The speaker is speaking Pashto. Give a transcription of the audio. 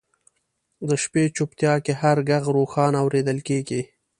د شپې چوپتیا کې هر ږغ روښانه اورېدل کېږي.